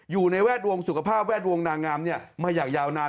อยู่ในแวดวงสุขภาพแวดวงนางงามมาอย่างยาวนาน